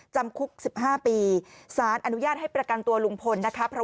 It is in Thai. จำคุก๑๕ปีสารอนุญาตให้ประกันตัวลุงพลนะคะ